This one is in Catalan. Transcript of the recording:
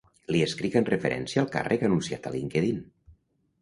Li escric amb referència al càrrec anunciat a LinkedIn.